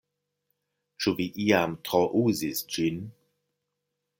Ĉu vi iam trouzis ĝin?